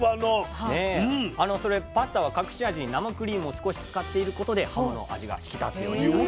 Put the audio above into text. パスタは隠し味に生クリームを少し使っていることではもの味が引き立つようになります。